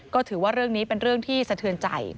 ก็ถือว่าเรื่องนี้เป็นเรื่องที่สะเทือนใจ